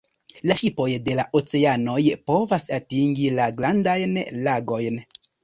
La ŝipoj de la oceanoj povas atingi la Grandajn Lagojn.